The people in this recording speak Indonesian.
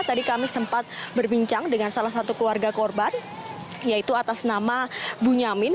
tadi kami sempat berbincang dengan salah satu keluarga korban yaitu atas nama bunyamin